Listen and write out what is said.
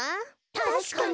たしかに。